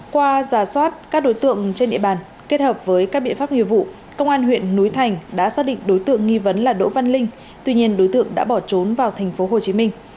qua giả soát các đối tượng trên địa bàn kết hợp với các biện pháp nghiệp vụ công an huyện núi thành đã xác định đối tượng nghi vấn là đỗ văn linh tuy nhiên đối tượng đã bỏ trốn vào thành phố hồ chí minh